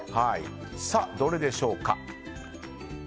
さあ、どれでしょうか。